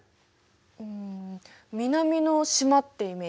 うん南の島ってイメージ。